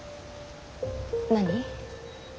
何。